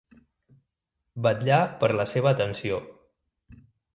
Vetllar per la seva atenció.